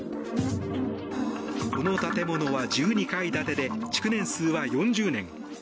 この建物は１２階建てで築年数は４０年。